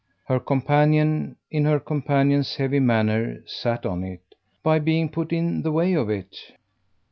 Her companion, in her companion's heavy manner, sat on it. "By being put in the way of it."